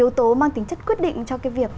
yếu tố mang tính chất quyết định cho cái việc